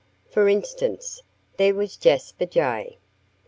For instance, there was Jasper Jay.